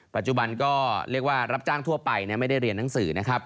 ปัจจุบันก็เรียกว่ารับจ้างทั่วไปไม่ได้เรียนหนังสือนะครับ